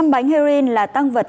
một trăm linh bánh heroin là tăng vật